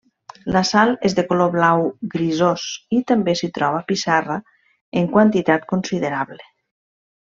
La sal és de color blau grisós, i també s'hi troba pissarra en quantitat considerable.